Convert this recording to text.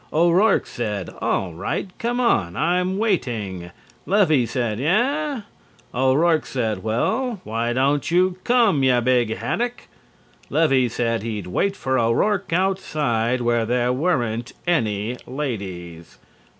O'Rourke said: "All right, come on. I'm waiting." Levy said: "Eah?" O'Rourke said: "Well, why don't you come, you big haddock?" Levy said he'd wait for O'Rourke outside where there weren't any ladies.